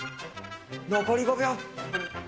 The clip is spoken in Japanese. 残り５秒。